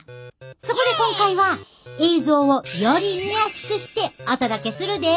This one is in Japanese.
そこで今回は映像をより見やすくしてお届けするで！